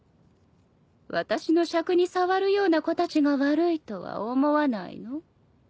私のしゃくに障るような子たちが悪いとは思わないの？